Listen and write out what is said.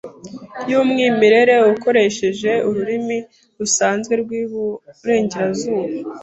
yumwimerere ukoresheje ururimi rusanzwe rwiburengerazuba